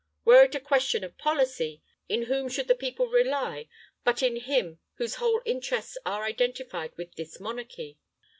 Were it a question of policy in whom should the people rely but in him whose whole interests are identified with this monarchy?